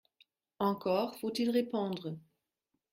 Encore faut-il répondre !